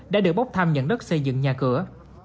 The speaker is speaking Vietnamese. đã được bốc thăm nhận đất xây dựng nhà cửa